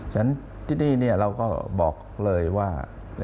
ฉะนั้นที่นี่เราก็บอกเลยว่า